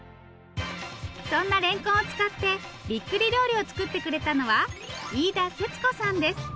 そんなれんこんを使ってびっくり料理を作ってくれたのは飯田せつこさんです。